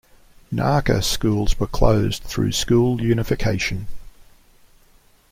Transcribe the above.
Narka schools were closed through school unification.